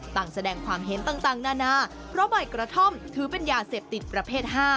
ต่างแสดงความเห็นต่างนานาเพราะใบกระท่อมถือเป็นยาเสพติดประเภท๕